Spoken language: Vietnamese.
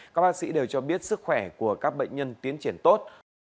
các bác sĩ đều cho biết sức khỏe của các bệnh nhân tiến triển tốt